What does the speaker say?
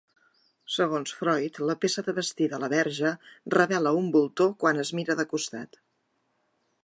Segons Freud, la peça de vestir de la Verge revela un voltor quan es mira de costat.